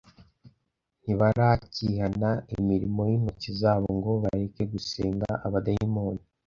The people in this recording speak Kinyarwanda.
ntibarakihana imirimo y’intoki zabo ngo bareke gusenga abadayimoni